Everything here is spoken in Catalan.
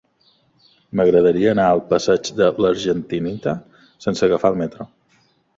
M'agradaria anar al passeig de l'Argentinita sense agafar el metro.